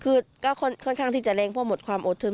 คือก็ค่อนข้างที่จะแรงเพราะหมดความอดทน